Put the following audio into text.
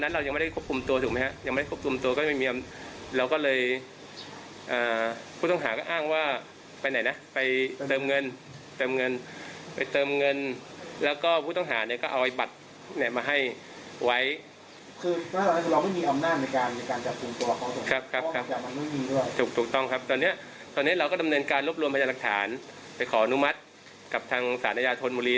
ร่วมพยานหลักฐานไปขอนุมัติกับทางศาสนญาทนมุลี